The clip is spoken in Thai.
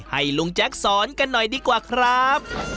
ให้ลุงแจ๊คสอนกันหน่อยดีกว่าครับ